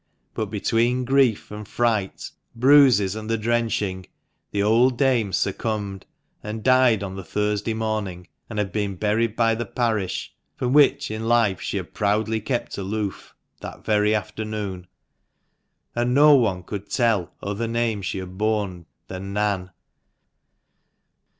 But between grief and fright, bruises and the drenching, the old dame succumbed, and died on the Thursday morning, and had been buried by the parish — from which in life she had proudly kept aloof — that very afternoon, and no one could tell other name she had borne than Nan.